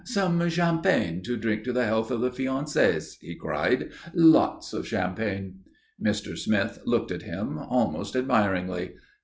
"Some champagne to drink to the health of the fiancés," he cried. "Lots of champagne." Mr. Smith looked at him almost admiringly.